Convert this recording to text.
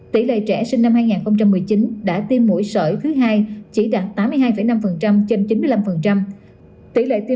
tỷ lệ trẻ sinh năm hai nghìn một mươi chín đã tiêm mũi sợi thứ hai chỉ đạt tám mươi hai năm trên chín mươi năm tỷ lệ tiêm